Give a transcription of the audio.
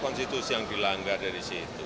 konstitusi yang dilanggar dari situ